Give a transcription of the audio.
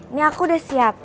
ini aku udah siap